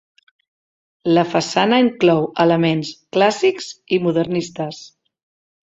La façana inclou elements clàssics i modernistes.